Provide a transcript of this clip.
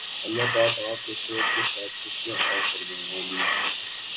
اللہ پاک آپ کو صحت کے ساتھ خوشیاں عطا فرمائے آمین